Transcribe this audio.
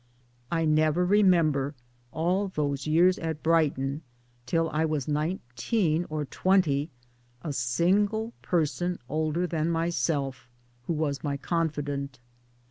I never remember, all those years at Brighton, till I was nineteen or twenty, a single person older than myself who was my confidant.